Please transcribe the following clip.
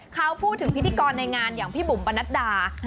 เขาพูดถึงพิธีกรในงานอย่างพี่บุ๋มปนัดดา